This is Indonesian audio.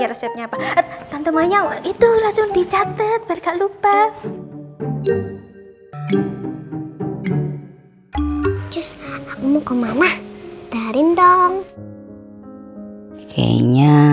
resepnya apa tante mayang itu langsung dicatat berkat lupa justru mau ke mama tarin dong kayaknya